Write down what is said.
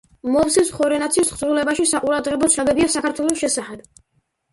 მოვსეს ხორენაცის თხზულებაში საყურადღებო ცნობებია საქართველოს შესახებ.